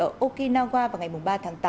ở okinawa vào ngày ba tháng tám